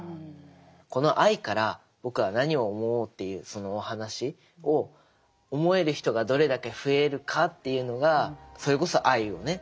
この愛から僕は何を思おうっていうそのお話を思える人がどれだけ増えるかっていうのがそれこそ愛をね